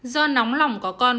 do nóng lòng có con